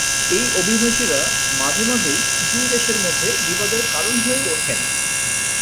এই অভিবাসীরা মাঝে মাঝেই দুই দেশের মধ্যে বিবাদের কারণ হয়ে ওঠেন।